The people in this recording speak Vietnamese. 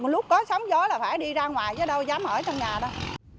lúc có sóng gió là phải đi ra ngoài chứ đâu dám ở trong nhà đâu